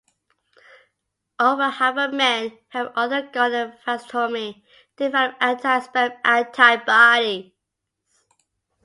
Over half of men who have undergone a vasectomy develop anti-sperm antibodies.